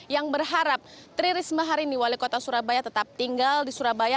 yang berharap tri risma hari ini wali kota surabaya tetap tinggal di surabaya